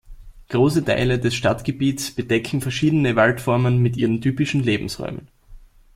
Große Teile des Stadtgebiets bedecken verschiedene Waldformen mit ihren typischen Lebensräumen.